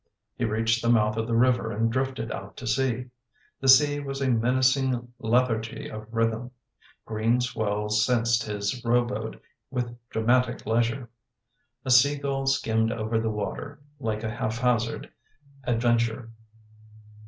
He reached the mouth of the river and drifted out to sea. The sea was a menacing lethargy of rhythm : green swells sensed his row boat with drama tic leisure. A sea gull skimmed over the water, like a haphazard adventure.